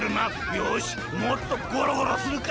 よしもっとゴロゴロするか！